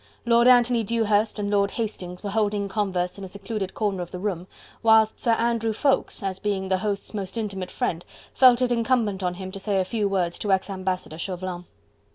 Lord Anthony Dewhurst and Lord Hastings were holding converse in a secluded corner of the room, whilst Sir Andrew Ffoulkes, as being the host's most intimate friend, felt it incumbent on him to say a few words to ex Ambassador Chauvelin.